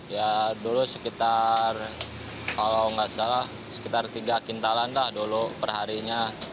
ya dulu sekitar kalau nggak salah sekitar tiga kintalan dah dulu perharinya